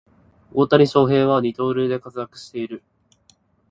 大谷翔平は二刀流で活躍している